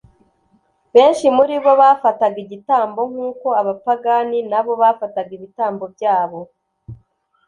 Benshi muri bo bafataga igitambo nk'uko abapagani na bo bafataga ibitambo byabo,